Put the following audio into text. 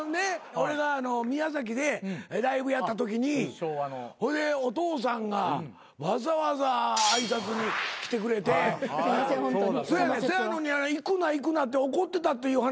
俺が宮崎でライブやったときにお父さんがわざわざ挨拶に来てくれてせやのに行くな行くなって怒ってたっていう話やないかい。